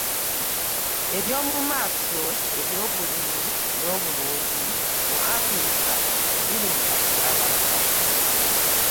Eby’omu maaso eby’obulimi n’obulunzi mu Afirika biri mu katyabaga.